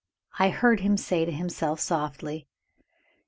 I heard him say to himself softly.